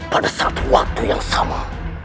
pada satu waktu yang sama